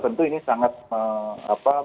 tentu ini sangat menarik